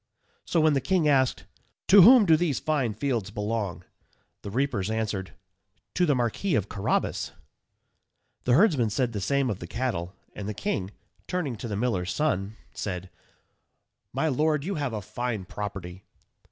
So when the king asked, "To whom do these fine fields belong?" the reapers answered, "To the Marquis of Carrabas." The herdsmen said the same of the cattle, and the king, turning to the miller's son, said, "My lord, you have a fine property."